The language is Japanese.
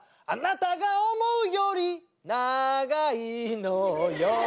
「あなたが思うよりながいのよ」